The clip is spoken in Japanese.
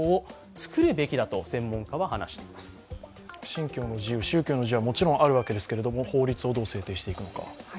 信教、宗教の自由はもちろんあるわけですけれども、法律をどう制定していくのか。